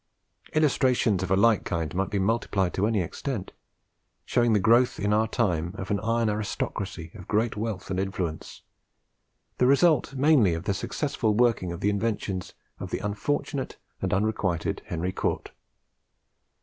Illustrations of a like kind might be multiplied to any extent, showing the growth in our own time of an iron aristocracy of great wealth and influence, the result mainly of the successful working of the inventions of the unfortunate and unrequited Henry Cort.